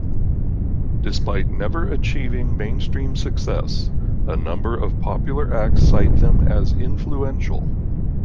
Despite never achieving mainstream success, a number of popular acts cite them as influential.